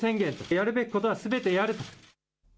やるべきことはすべてやると。